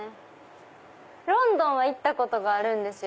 ロンドンは行ったことがあるんですよ。